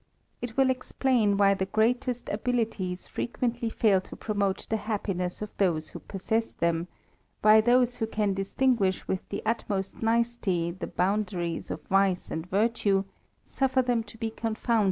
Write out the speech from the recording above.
It wi^ ^ explain why the greatest abilities frequently fail to promot ^^ the happiness of those who possess them; why thofi^^ who can distinguish with the utmost nicety the bouncS aries of vice and virtue, suffer them to be confounde?